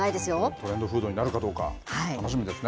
トレンドフードになるかどうか、楽しみですね。